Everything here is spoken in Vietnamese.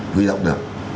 huy động được